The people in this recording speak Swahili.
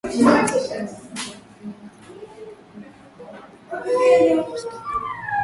ambao wamekuwa jela kwa miaka kumi na minne bila ya kufunguliwa mashtaka